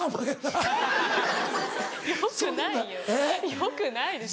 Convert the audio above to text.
よくないですよ。